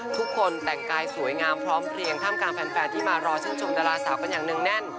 ทุกคนแต่งกายสวยงามพร้อมเพลียงท่ามกลางแฟนที่มารอชื่นชมดาราสาวกันอย่างเนื่องแน่น